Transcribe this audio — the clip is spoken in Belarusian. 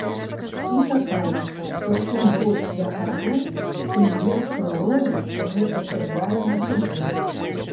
І чакалі, што, чым больш я кажу, тым лепшую ролю гэта сыграе на судзе.